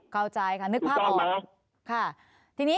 เข้าใจค่ะนึกภาพออกถูกต้องไหมค่ะทีนี้